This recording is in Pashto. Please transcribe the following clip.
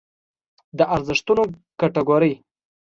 د ارزښتونو کټګورۍ